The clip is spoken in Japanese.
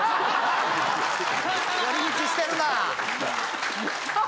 寄り道してるな。